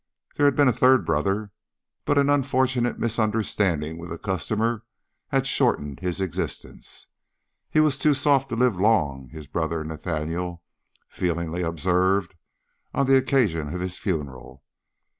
There had been a third brother, but an unfortunate misunderstanding with a customer had shortened his existence. "He was too soft to live long," his brother Nathaniel feelingly observed, on the occasion of his funeral.